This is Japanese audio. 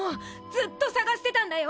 ずっと探してたんだよ！